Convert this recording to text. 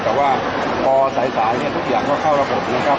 แต่ว่าต่อสายทุกอย่างเข้าระบบนะครับ